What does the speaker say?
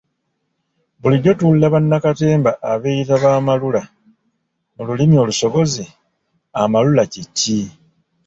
Bulijjo tuwulira bannakatemba abeeyita ba ‘amalula’, mu lulimi olusogozi amalula kye ki?